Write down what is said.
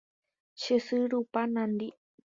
che sy rupa nandi